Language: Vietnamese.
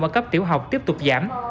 ở cấp tiểu học tiếp tục giảm